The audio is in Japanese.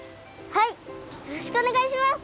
はいよろしくおねがいします！